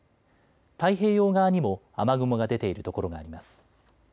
太平洋側にも雨雲が出ている所があります。